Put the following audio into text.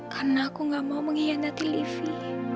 karena aku gak mau mengkhianati livi